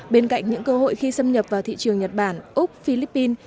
bên cạnh những cơ hội khi xâm nhập vào thị trường nhật bản úc philippines